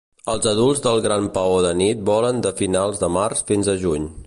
Els adults del gran paó de nit volen de finals de març fins a juny.